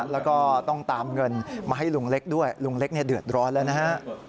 แล้วก็ต้องตามเงินมาให้ลุงเล็กด้วยลุงเล็กเดือดร้อนแล้วนะฮะ